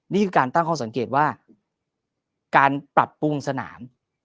นี่คือการตั้งข้อสังเกตว่าการปรับปรุงสนาม